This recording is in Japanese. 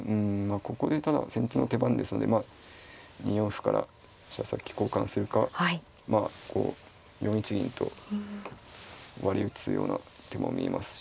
ここでただ先手の手番ですのでまあ２四歩から飛車先交換するかまあこう４一銀と割り打つような手も見えますし。